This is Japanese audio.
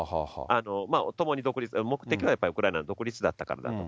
ともに独立、目的はウクライナの独立だったからと。